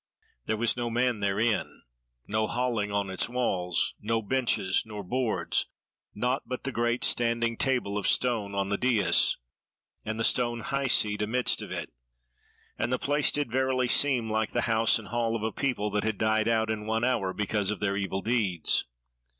There was no man therein, no halling on its walls, no benches nor boards, naught but the great standing table of stone on the dais, and the stone high seat amidst of it: and the place did verily seem like the house and hall of a people that had died out in one hour because of their evil deeds.